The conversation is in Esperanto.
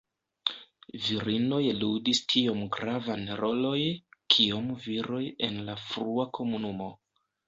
Virinoj ludis tiom gravan roloj kiom viroj en la frua komunumo.